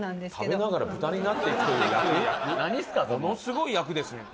ものすごい役ですね。